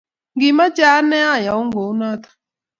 Ngimocho anee, ayaun kunoto